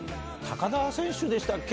田選手でしたっけ？